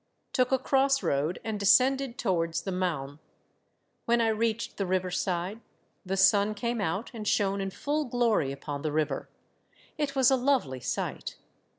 Took a cross road, and descended towards the Marne. When I reached the riverside, the sun came out, and shone in full glory upon the river. It was a lovely sight.